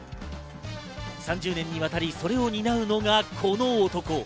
３０年にわたりそれを担うのが、この男。